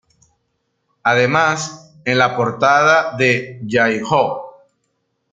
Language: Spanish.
Además, en la portada de 'Jai Ho!